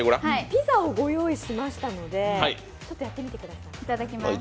ピザをご用意しましたのでちょっとやってみてください。